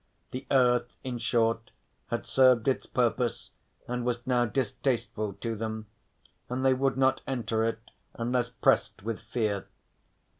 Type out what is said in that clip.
The earth, in short, had served its purpose and was now distasteful to them, and they would not enter it unless pressed with fear.